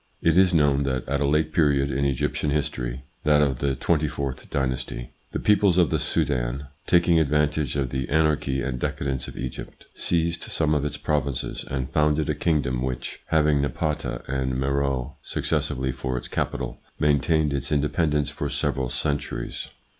It is known that at a late period in Egyptian history (that of the twenty fourth dynasty), the peoples of the Soudan, taking advantage of the anarchy and decadence of Egypt, seized some of its provinces and founded a kingdom which, having Napata and Meroe successively for its capital, main tained its independence for several centuries.